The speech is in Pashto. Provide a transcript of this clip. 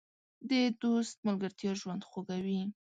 د دوست ملګرتیا ژوند خوږوي.